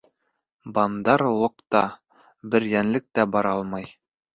Бандар-логҡа бер йәнлек тә бара алмай.